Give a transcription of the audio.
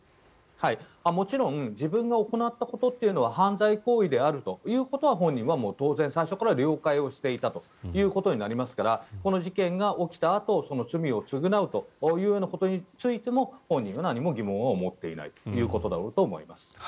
もちろん自分が行ったことは犯罪行為であるということは本人は当然、最初から了解していたということになりますからこの事件が起きたあと罪を償うということについても本人は何も疑問を持っていないということだろうと思います。